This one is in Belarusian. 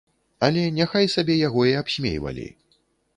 Але няхай сабе яго і абсмейвалі.